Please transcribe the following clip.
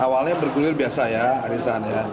awalnya bergulir biasa ya arisan ya